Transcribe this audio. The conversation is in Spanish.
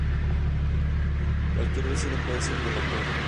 Cualquier vecino puede ser delator.